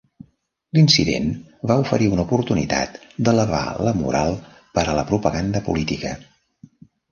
L"incident va oferir una oportunitat d"elevar la moral per a la propaganda política.